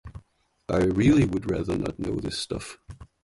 I really would rather not know this stuff.